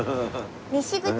西口